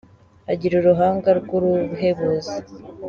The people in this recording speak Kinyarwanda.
Agira uruhanga rw’uruhebuza